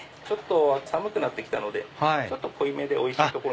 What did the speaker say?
ちょっと寒くなってきたのでちょっと濃いめでおいしい。